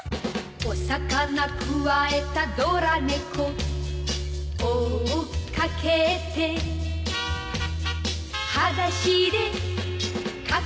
「お魚くわえたドラ猫」「追っかけて」「はだしでかけてく」